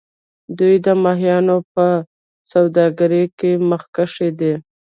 دوی د ماهیانو په سوداګرۍ کې مخکښ دي.